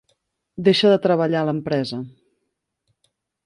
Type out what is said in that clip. Deixa de treballar a l'empresa.